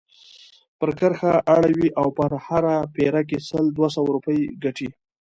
پر کرښه اړوي او په هره پيره کې سل دوه سوه روپۍ ګټي.